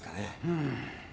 うん。